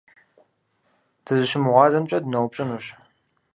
ДызыщымыгъуазэмкӀэ дыноупщӀынущ.